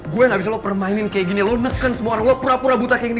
gue gak bisa lo permainan kayak gini lo neken semua orang lo pura pura buta kayak gini